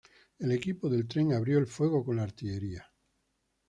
El equipo del tren abrió el fuego con la artillería.